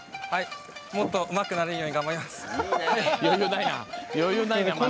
もっとうまくなれるように頑張ります。